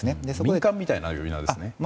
民間みたいな呼び名ですね。